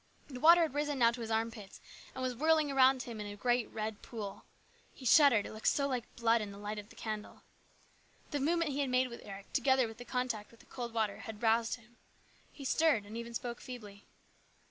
The water had risen now to his armpits, and was whirling around him in a great red pool. He shuddered, it looked so like blood in the light of the candle. The movement he had made with Eric, together with the contact with the cold water, had roused him. He stirred and even spoke feebly.